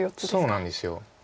そうなんです。